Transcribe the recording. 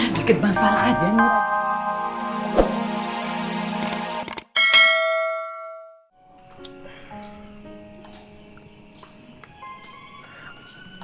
dikit masalah aja neng